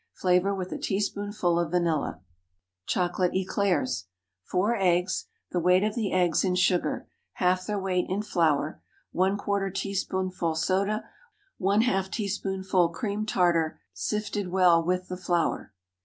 Flavor with a teaspoonful of vanilla. CHOCOLATE ÉCLAIRS. 4 eggs. The weight of the eggs in sugar. Half their weight in flour. ¼ teaspoonful soda, } ½ teaspoonful cream tartar,} sifted well with the flour.